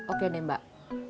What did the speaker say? oke deh mbak